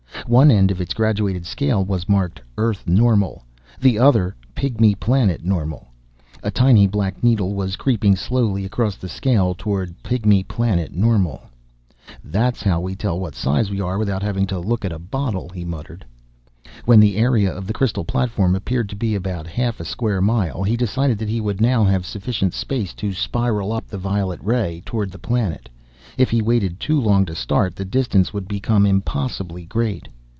One end of its graduated scale was marked, "Earth Normal," the other, "Pygmy Planet Normal." A tiny black needle was creeping slowly across the scale, toward "Pygmy Planet Normal." "That's how we tell what size we are without having to look at a bottle," he muttered. When the area of the crystal platform appeared to be about half a square mile, he decided that he would now have sufficient space to spiral up the violet ray toward the planet. If he waited too long to start, the distance would become impossibly great.